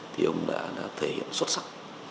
thì ông đã thể hiện xuất sắc